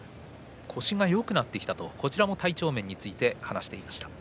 腰がよくなってきたとこちらも体調面について話していました。